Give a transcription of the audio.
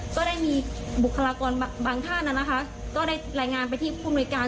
ก็ได้มีบุคลากรบางท่านนะคะก็ได้รายงานไปที่ผู้มนุยการ